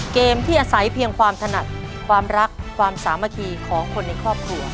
เกมที่อาศัยเพียงความถนัดความรักความสามัคคีของคนในครอบครัว